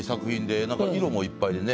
色もいっぱいでね。